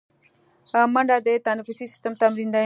منډه د تنفسي سیستم تمرین دی